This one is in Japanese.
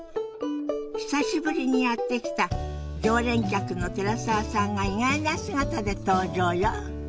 久しぶりにやって来た常連客の寺澤さんが意外な姿で登場よ。